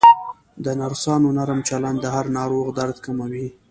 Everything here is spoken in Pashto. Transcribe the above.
د نرسانو نرم چلند د هر ناروغ درد کموي.